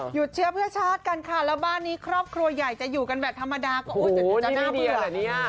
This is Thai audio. เชื้อเพื่อชาติกันค่ะแล้วบ้านนี้ครอบครัวใหญ่จะอยู่กันแบบธรรมดาก็จะน่าเบื่อเนี่ย